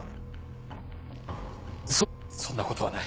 そんなことはない